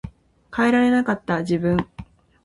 変えられなかった自分